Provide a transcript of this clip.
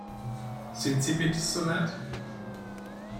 Sind Sie bitte so nett?